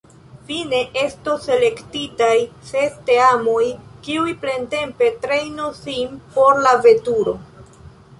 Fine estos selektitaj ses teamoj, kiuj plentempe trejnos sin por la veturo.